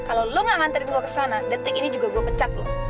kalau lo gak nganterin gue ke sana detik ini juga gue pecat ngo